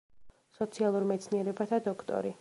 სოციალურ მეცნიერებათა დოქტორი.